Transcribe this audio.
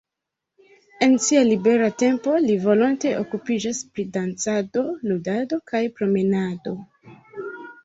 En sia libera tempo li volonte okupiĝas pri dancado, ludado kaj promenado.